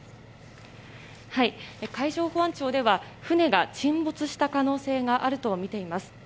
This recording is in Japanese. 海上保安庁では船が沈没した可能性があるとみています。